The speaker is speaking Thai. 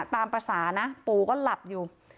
ตามภาษานะปู่ก็หลับอยู่